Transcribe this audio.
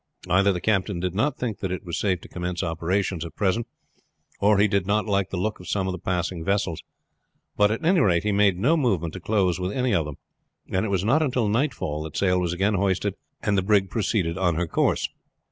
Either the captain did not think that it was safe to commence operations at present, or he did not like the look of some of the passing vessels; but at any rate he made no movement to close with any of them, and it was not until nightfall that sail was again hoisted and the brig proceeded on her course.